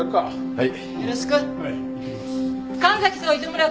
はい。